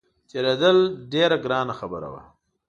تېرېدل ډېره ګرانه خبره وه.